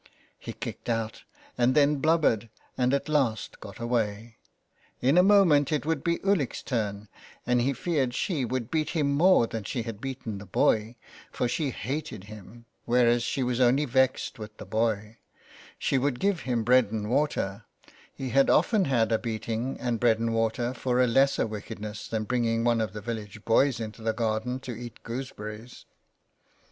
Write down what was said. He kicked out, and then blubbered, and at last got away. In a moment it would be Ulick's turn, and he feared she would beat him more than she had beaten the boy — for she hated him, whereas she was only vexed with the boy — she would give him bread and water — he had often had a beating and bread and water for a lesser wickedness 285 so ON HE FARES. than the bringing of one of the village boys into the garden to eat gooseberries.